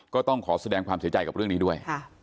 ก็ต้องขอแสดงความเสียใจกับเรื่องนี้ด้วย